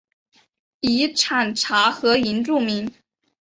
以产茶和银著名。